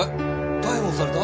逮捕された？